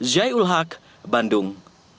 zai ul haq bandung